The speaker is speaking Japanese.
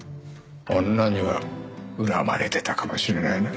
女には恨まれてたかもしれないね。